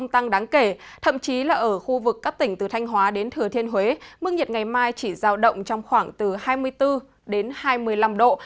thậm chí là ở khu vực các tỉnh từ thanh hóa đến thừa thiên huế mức nhiệt ngày mai chỉ giao động trong khoảng từ hai mươi bốn đến hai mươi năm độ